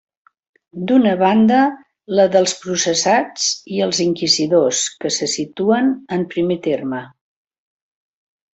D'una banda la dels processats i els inquisidors, que se situen en primer terme.